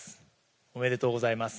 おめでとうございます。